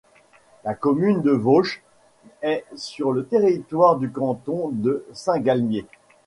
La commune de Veauche est sur le territoire du canton de Saint-Galmier.